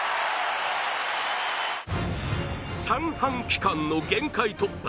三半規管の限界突破